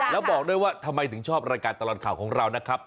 แล้วบอกด้วยว่าทำไมถึงชอบรายการตลอดข่าวของเรานะครับ